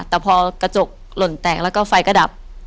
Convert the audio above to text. แต่พอกระจกหล่นแตกแล้วก็ไฟก็ดับ